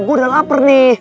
gue udah lapar nih